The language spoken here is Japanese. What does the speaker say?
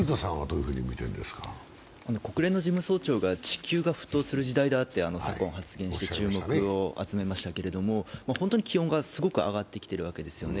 国連の事務総長が地球が沸騰する時代だと昨今、発言して注目を集めましたけれども本当に気温がすごく上がってきているわけですよね。